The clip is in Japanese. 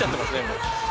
もう。